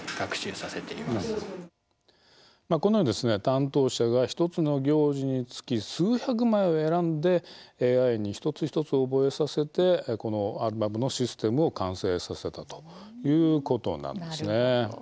担当者が１つの行事につき数百枚を選んでＡＩに一つ一つ覚えさせてこのアルバムのシステムを完成させたということなんです。